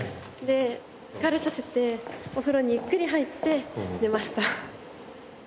で疲れさせてお風呂にゆっくり入って寝ました。